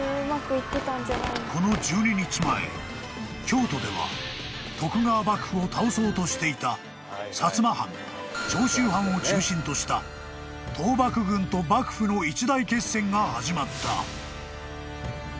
［この１２日前京都では徳川幕府を倒そうとしていた薩摩藩長州藩を中心とした倒幕軍と幕府の一大決戦が始まった］